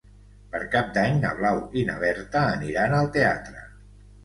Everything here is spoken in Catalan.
Per Cap d'Any na Blau i na Berta aniran al teatre.